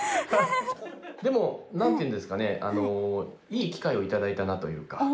でも何ていうんですかねいい機会を頂いたなというか。